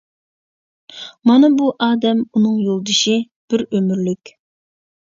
مانا بۇ ئادەم ئۇنىڭ يولدىشى، بىر ئۆمۈرلۈك!